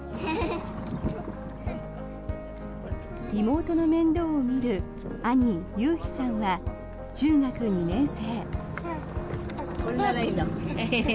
妹の面倒を見る兄・悠陽さんは中学２年生。